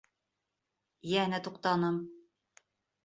Йәнә туҡтаным.